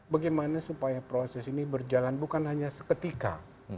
bagaimana supaya proses ini berjalan bukan hanya seketika